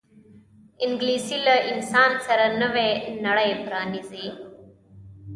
انګلیسي له انسان سره نوې نړۍ پرانیزي